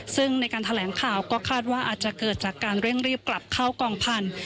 ซึ่งในการแถลงข่าวก็คาดว่าอาจจะเกิดจากการเร่งรีบกลับเข้ากองพันธุ์